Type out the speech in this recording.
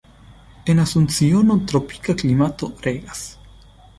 En Asunciono tropika klimato regas.